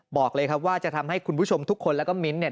บอกเลยครับว่าจะทำให้คุณผู้ชมทุกคนแล้วก็มิ้นท์เนี่ย